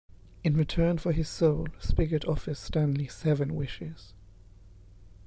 In return for his soul, Spiggott offers Stanley seven wishes.